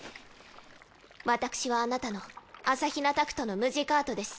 私はあなたの朝雛タクトのムジカートです。